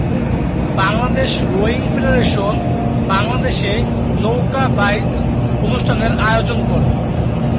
Bangladesh rowing federation বাংলাদেশে নৌকা বাইচ অনুষ্ঠানের আয়োজন করে।